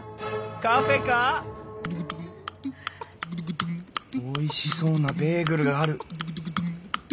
カフェか⁉おいしそうなベーグルがある！